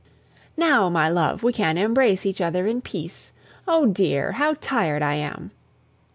"Now, my love, we can embrace each other in peace. O dear, how tired I am!"